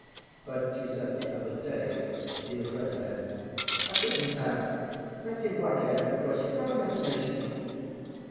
ŌĆØ ŌĆ£But you said the other day that he was red haired. ŌĆØ ŌĆ£I couldnŌĆÖt have. Make him black haired of course. YouŌĆÖve no imagination.